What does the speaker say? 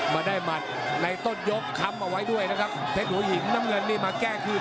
มาได้หมัดในต้นยกค้ำเอาไว้ด้วยนะครับเพชรหัวหินน้ำเงินนี่มาแก้คืน